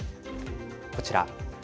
こちら。